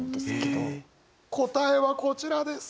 答えはこちらです！